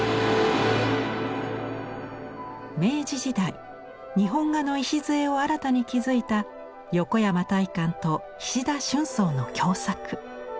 明治時代日本画の礎を新たに築いた横山大観と菱田春草の共作。